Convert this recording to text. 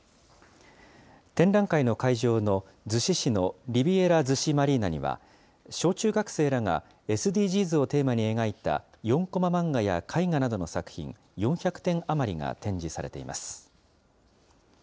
展覧会の会場の逗子市のリビエラ逗子マリーナには、小中学生らがＳＤＧｓをテーマに描いた４コマ漫画や絵画などの作品４００点余りが展示されています。